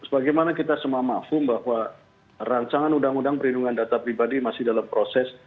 sebagaimana kita semua makfum bahwa rancangan undang undang perlindungan data pribadi masih dalam proses